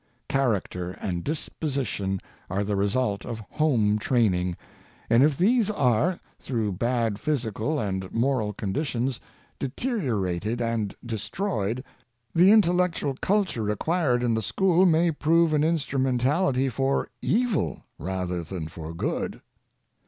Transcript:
Character and disposition are the result of home train ing; and if these are, through bad physical and moral conditions, deteriorated and destroyed, the intellectual culture acquired in the school may prove an instrumen tality for evil rather than for good.